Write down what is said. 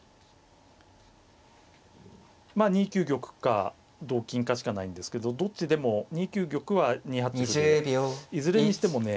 まあ２九玉か同金かしかないんですけどどっちでも２九玉は２八歩でいずれにしてもね